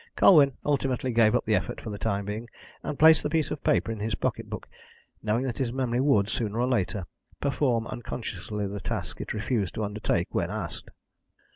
Colwyn ultimately gave up the effort for the time being, and placed the piece of paper in his pocket book, knowing that his memory would, sooner or later, perform unconsciously the task it refused to undertake when asked.